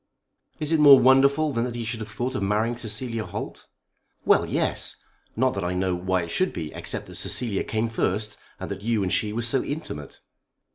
"Is it more wonderful than that he should have thought of marrying Cecilia Holt?" "Well, yes. Not that I know why it should be, except that Cecilia came first, and that you and she were so intimate."